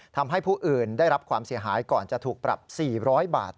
ทำให้ผู้อื่นได้รับความเสียหายก่อนจะถูกปรับ๔๐๐บาท